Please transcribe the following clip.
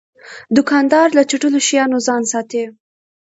دوکاندار له چټلو شیانو ځان ساتي.